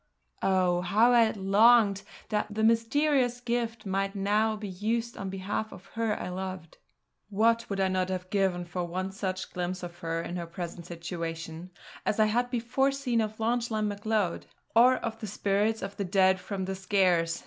Oh! how I longed that the mysterious gift might now be used on behalf of her I loved. What would I not have given for one such glimpse of her in her present situation, as I had before seen of Lauchlane Macleod, or of the spirits of the Dead from the Skares.